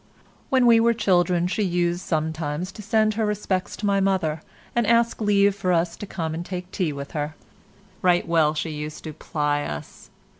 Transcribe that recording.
When we were children she used sometimes to send her respects to my mother, and ask leave for us to come and take tea with her. Right well she used to ply us.